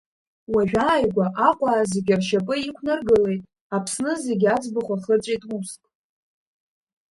Уажәааигәа аҟәаа зегьы ршьапы иқәнаргылеит, Аԥсны зегьы аӡбахә ахыҵәеит уск.